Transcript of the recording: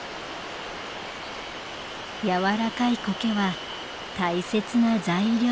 やわらかいコケは大切な材料。